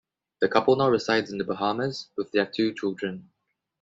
The couple now resides in the Bahamas with their two children.